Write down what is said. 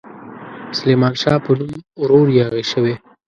سلیمان شاه په نوم ورور یاغي شوی.